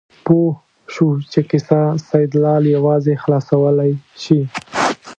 پوه شو چې کیسه سیدلال یوازې خلاصولی شي.